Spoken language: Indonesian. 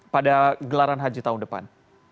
pada gelaran haji tahun depan